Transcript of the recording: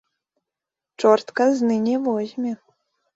Чорт казны не возьме.